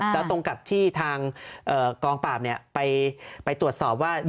แล้วตรงกับที่ทางกองปราบไปตรวจสอบว่า